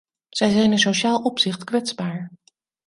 Zij zijn in sociaal opzicht kwetsbaar.